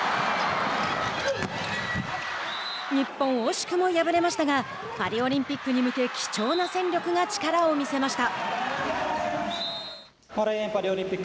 日本、惜しくも敗れましたがパリオリンピックに向け貴重な戦力が力を見せました。